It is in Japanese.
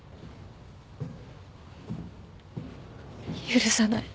許さない。